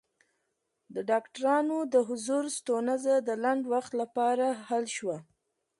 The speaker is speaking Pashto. د ډاکټرانو د حضور ستونزه د لنډ وخت لپاره حل شوه.